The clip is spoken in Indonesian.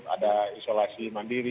ada isolasi mandiri